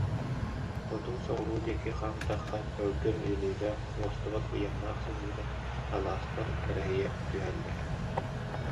Хоту-соҕуруу диэки хаамтахха, өлгөм үүнүүлээх, уостубат быйаҥнаах сыһыылар, алаастар нэлэһийэ түһэллэр